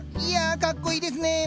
いやかっこいいですね。